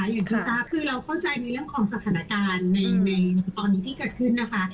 อย่างที่ทราบคือเราเข้าใจในเรื่องของสถานการณ์ในตอนนี้ที่เกิดขึ้นนะคะ